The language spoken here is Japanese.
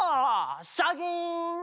シャキン！